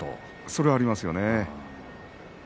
それはありますよね。